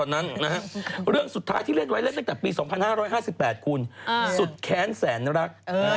คือระยะการถ่ายความอ่อน